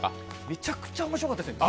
めちゃくちゃ面白かったですね。